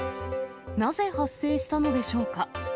なぜ発生したのでしょうか。